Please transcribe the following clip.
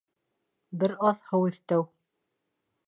Бер аҙ һыу өҫтәү